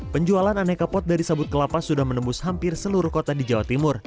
penjualan aneka pot dari sabut kelapa sudah menembus hampir seluruh kota di jawa timur